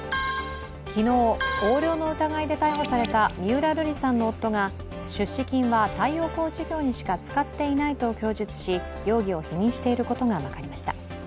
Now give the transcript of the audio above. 昨日、横領の疑いで逮捕された三浦瑠麗さんの夫が出資金は太陽光事業にしか使っていないと供述し容疑を否認していることが分かりました。